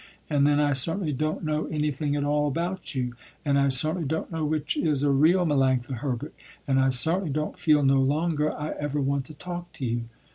And then I certainly don't know anything at all about you, and I certainly don't know which is a real Melanctha Herbert, and I certainly don't feel no longer, I ever want to talk to you.